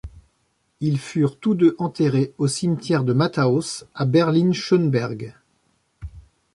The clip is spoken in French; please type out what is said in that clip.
Ils furent tous deux enterrés au cimetière de Matthäus, à Berlin-Schöneberg.